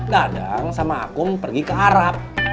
dadang sama akum pergi ke arab